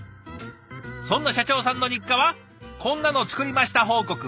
そんな社長さんの日課はこんなの作りました報告。